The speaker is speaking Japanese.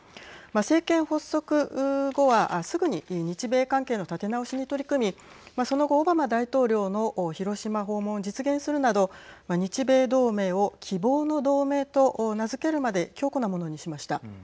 政権発足後はすぐに日米関係の立て直しに取り組みその後、オバマ大統領の広島訪問を実現するなど日米同盟を希望の同盟と名付けるまで強固なものにしました。